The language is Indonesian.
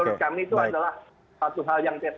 menurut kami itu adalah